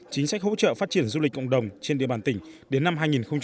chính sách hỗ trợ phát triển du lịch cộng đồng trên địa bàn tỉnh đến năm hai nghìn ba mươi